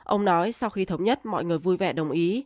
ông nói sau khi thống nhất mọi người vui vẻ đồng ý